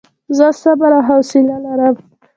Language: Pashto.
زه صبر او حوصله لرم.